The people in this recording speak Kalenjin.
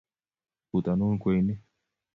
butonun kwenik